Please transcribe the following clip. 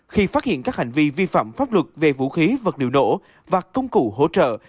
khi phát hiện các hành vi vi phạm pháp luật về vũ khí vật liệu nổ và công cụ hỗ trợ